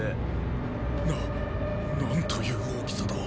なっ何という大きさだ！